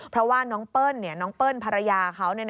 เพราะว่าน้องเปิ้ลน้องเปิ้ลภรรยาเขา